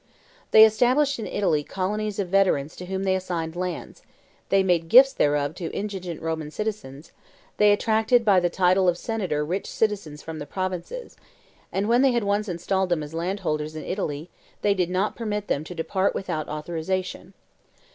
They established in Italy colonies of veterans to whom they assigned lands; they made gifts thereof to indigent Roman citizens; they attracted by the title of senator rich citizens from the provinces, and when they had once installed them as landholders in Italy, they did not permit them to depart without authorization.